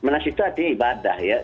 nasik itu artinya ibadah ya